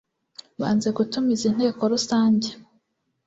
banze gutumiza inteko rusange